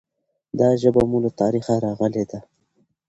دا ژبه مو له تاریخه راغلي ده.